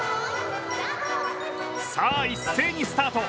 さあ一斉にスタート。